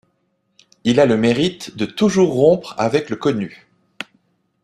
Il à le mérite de toujours rompre avec le connu.